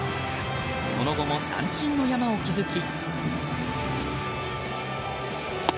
その後も三振の山を築き。